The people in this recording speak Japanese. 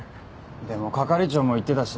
でも係長も言ってたし。